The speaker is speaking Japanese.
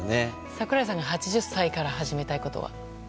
櫻井さんが８０歳から始めたいことは？